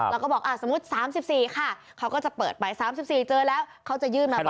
แล้วก็บอกสมมุติ๓๔ค่ะเขาก็จะเปิดไป๓๔เจอแล้วเขาจะยื่นมาก่อน